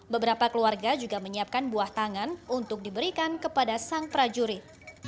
beberapa keluarga juga menyiapkan buah tangan untuk diberikan kepada sang prajurit